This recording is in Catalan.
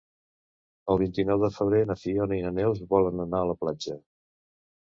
El vint-i-nou de febrer na Fiona i na Neus volen anar a la platja.